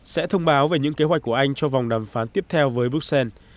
sẽ thông báo về những kế hoạch của anh cho vòng đàm phán tiếp theo với bruxelles